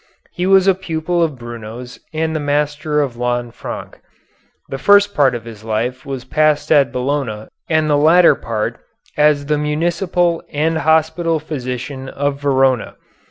He was a pupil of Bruno's and the master of Lanfranc. The first part of his life was passed at Bologna and the latter part as the municipal and hospital physician of Verona.